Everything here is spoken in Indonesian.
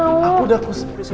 aku udah selesai